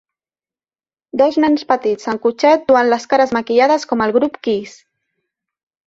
Dos nens petits en cotxet duen les cares maquillades com el grup Kiss.